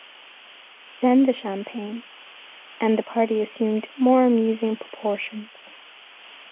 Then the champagne — and the party assumed more amusing proportions.